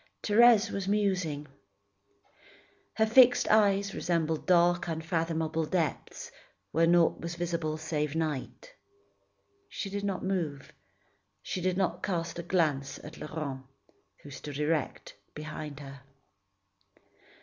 Thérèse was musing. Her fixed eyes resembled dark, unfathomable depths, where naught was visible save night. She did not move, she did not cast a glance at Laurent, who stood erect behind her.